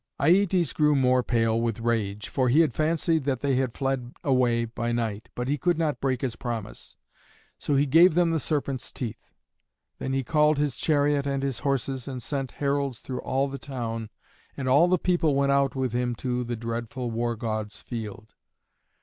Aietes grew more pale with rage, for he had fancied that they had fled away by night, but he could not break his promise, so he gave them the serpents' teeth. Then he called his chariot and his horses, and sent heralds through all the town, and all the people went out with him to the dreadful War god's field.